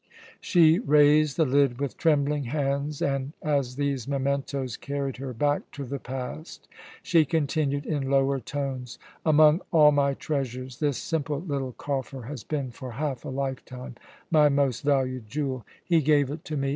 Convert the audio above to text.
She raised the lid with trembling hands and, as these mementoes carried her back to the past, she continued in lower tones: "Among all my treasures this simple little coffer has been for half a lifetime my most valued jewel. He gave it to me.